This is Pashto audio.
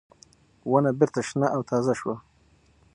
ونه بېرته شنه او تازه شوه.